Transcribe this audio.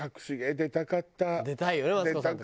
出たかったわ。